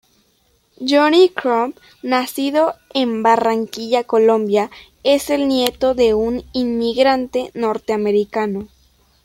Johnny Crump, nacido en Barranquilla, Colombia, es el nieto de un inmigrante norteamericano.